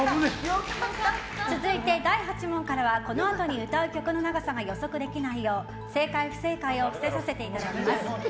続いて第８問からはこのあとに歌う曲の長さが予測できないよう正解・不正解を伏せさせていただきます。